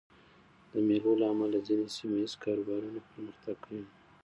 د مېلو له امله ځيني سیمه ییز کاروبارونه پرمختګ کوي.